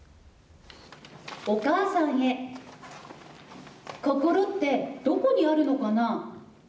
お母さんへ心ってどこにあるのかな？